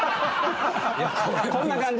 こんな感じです。